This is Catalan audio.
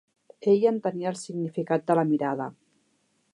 Ell entenia el significat de la mirada.